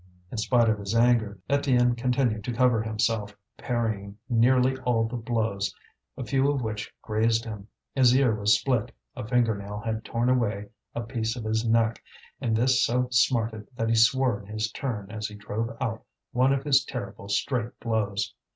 In spite of his anger, Étienne continued to cover himself, parrying nearly all the blows, a few of which grazed him. His ear was split, a finger nail had torn away a piece of his neck, and this so smarted that he swore in his turn as he drove out one of his terrible straight blows.